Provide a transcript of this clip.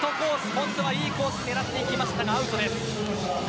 今度はいいコースを狙いましたがアウトです。